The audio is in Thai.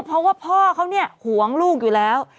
เพราะว่าพ่อเขาหวงลูกอยู่แล้ว